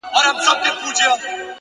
د حوصلې ځواک اوږدې لارې زغمي!.